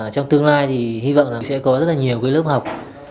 trong tương lai thì hy vọng là sẽ có rất là nhiều cái lớp học